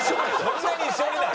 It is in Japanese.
そんなに一緒になる？